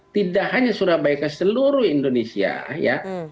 tidak hanya surabaya ke seluruh indonesia ya